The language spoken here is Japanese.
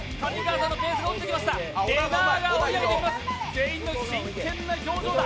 全員の真剣な表情だ。